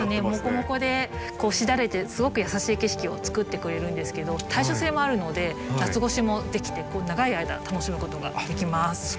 もこもこでこうしだれてすごく優しい景色をつくってくれるんですけど耐暑性もあるので夏越しもできて長い間楽しむことができます。